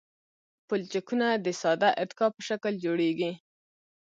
پلچکونه د ساده اتکا په شکل جوړیږي